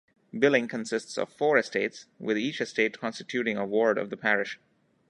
Billing consists of four estates, with each estate constituting a ward of the parish.